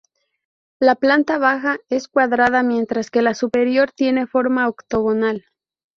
La planta baja es cuadrada mientras que la superior tiene forma octogonal.